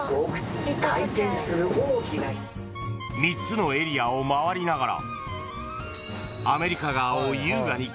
［３つのエリアを回りながら］